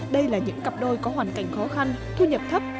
đây là những cặp đôi có hoàn cảnh khó khăn thu nhập thấp